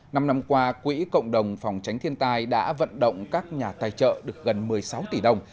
năm năm qua quỹ cộng đồng phòng tránh thiên tai đã vận động các nhà tài trợ được gần một mươi sáu tỷ đồng